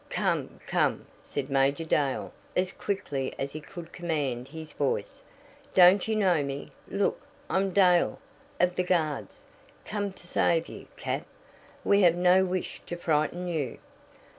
"Come, come!" said Major Dale as quickly as he could command his voice. "Don't you know me? Look! I'm Dale of the Guards come to save you, Cap. We have no wish to frighten you!"